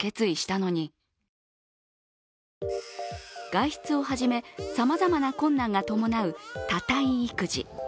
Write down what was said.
外出をはじめ、さまざまな困難が伴う多胎育児。